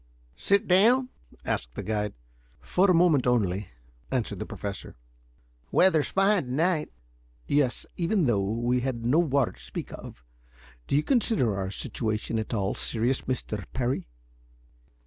"Sit down?" asked the guide. "For a moment only," answered the Professor. "Weather's fine to night." "Yes, even though we have no water to speak of. Do you consider our situation at all serious, Mr. Parry?"